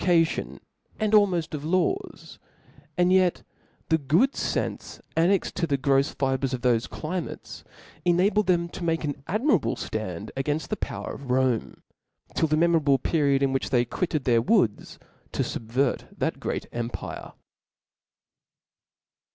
cation, and almoft of laws : and yet the good fenfe annexed to the grofs fibres of thofe climates enabled them to make an admirable ftand againft' the power of Rome, till the memorable pe riod in which they quitted their woods to fubvert that great empire.